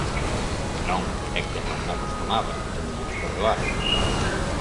Non, é que non me acostumaba, téñenme que perdoar.